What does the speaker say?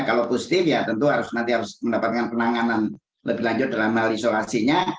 kalau positif ya tentu nanti harus mendapatkan penanganan lebih lanjut dalam hal isolasinya